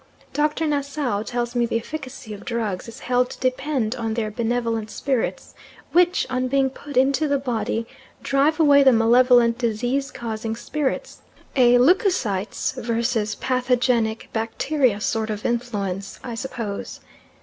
Dr. Nassau tells me the efficacy of drugs is held to depend on their benevolent spirits, which, on being put into the body, drive away the malevolent disease causing spirits a leucocytes versus pathogenic bacteria sort of influence, I suppose.